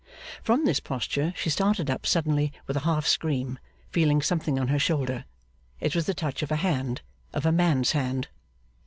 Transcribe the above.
From this posture she started up suddenly, with a half scream, feeling something on her shoulder. It was the touch of a hand; of a man's hand.